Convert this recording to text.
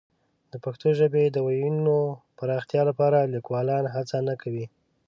د پښتو ژبې د وییونو پراختیا لپاره لیکوالان هڅه نه کوي.